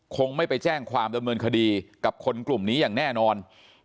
คงไม่ไปแจ้งความดำเนินคดีกับคนกลุ่มนี้อย่างแน่นอน